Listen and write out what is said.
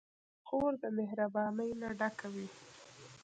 خور د مهربانۍ نه ډکه وي.